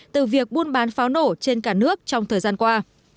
từ việc buôn bán pháo nổ trên cả nước trong thời gian qua